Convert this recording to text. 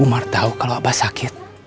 umar tahu kalau abah sakit